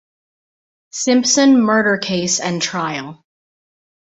Simpson murder case and trial.